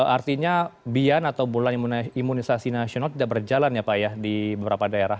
artinya bian atau bulan imunisasi nasional tidak berjalan ya pak ya di beberapa daerah